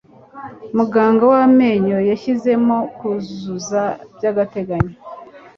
Muganga w amenyo yashyizemo kuzuza by'agateganyo.